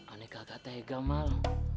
aneh kagak tega mal